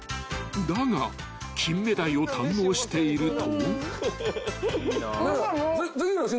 ［だがキンメダイを堪能していると］